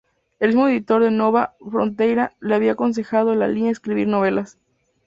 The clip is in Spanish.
El mismo editor de Nova Fronteira le había aconsejado a Lya escribir novelas.